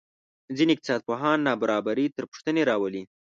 ځینې اقتصادپوهان نابرابري تر پوښتنې راولي.